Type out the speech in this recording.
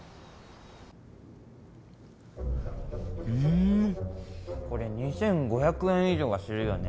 んこれ２，５００円以上はするよね。